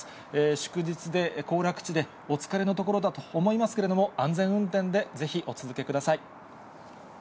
祝日で行楽地でお疲れのところだと思いますけれども、安全運転でぜひお続けください。